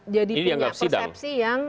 jadi punya persepsi yang